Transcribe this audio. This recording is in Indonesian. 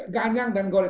ganyang dan goreng